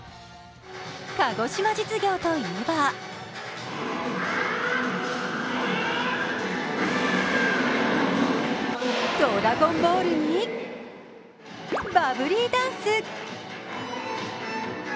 鹿児島実業といえば「ドラゴンボール」にバブリーダンス。